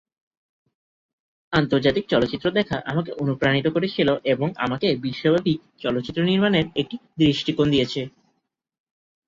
আন্তর্জাতিক চলচ্চিত্র দেখা আমাকে অনুপ্রাণিত করেছিল এবং আমাকে বিশ্বব্যাপী চলচ্চিত্র নির্মাণের একটি দৃষ্টিকোণ দিয়েছে।